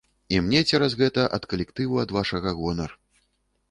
І мне цераз гэта ад калектыву ад вашага гонар.